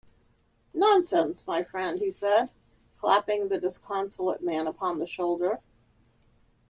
"Nonsense, my friend," he said, clapping the disconsolate man upon the shoulder.